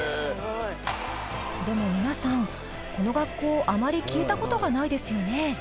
でも皆さんこの学校あまり聞いた事がないですよね。